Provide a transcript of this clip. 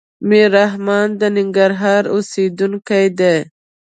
ميررحمان د ننګرهار اوسيدونکی دی.